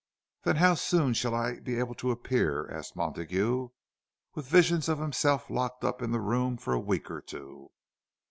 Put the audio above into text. "Then how soon shall I be able to appear?" asked Montague, with visions of himself locked up in the room for a week or two.